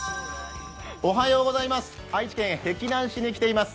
愛知県碧南市に来ています。